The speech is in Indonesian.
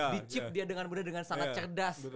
dicip dia mudah dengan sangat cerdas